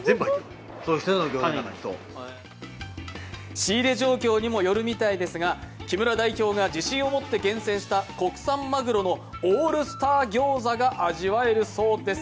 仕入れ状況にもよるみたいですが、木村代表が自信を持って厳選した国産マグロのオールスター餃子が味わえるそうです。